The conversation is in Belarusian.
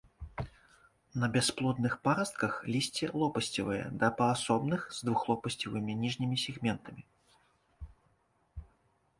На бясплодных парастках лісце лопасцевае да паасобных, з двухлопасцевымі ніжнімі сегментамі.